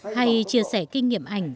hay chia sẻ kinh nghiệm ảnh